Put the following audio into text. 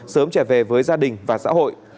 sớm trở về với gia đình và xã hội